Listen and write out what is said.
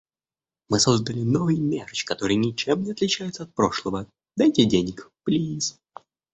Мы создали новый мерч, который ничем не отличается от прошлого. Дайте денег, плиз!